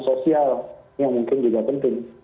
sosial yang mungkin juga penting